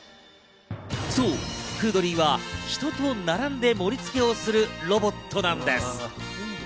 Ｆｏｏｄｌｙは人と並んで盛り付けをするロボットなんです。